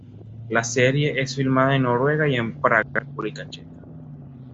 La serie es filmada en Noruega y en Praga, República Checa.